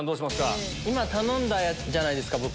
今頼んだじゃないですか僕。